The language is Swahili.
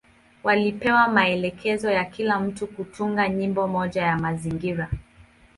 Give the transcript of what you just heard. Walipewa maelekezo ya kila mtu kutunga nyimbo moja ya mazingira.